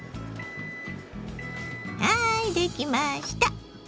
はいできました。